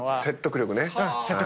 説得力ね。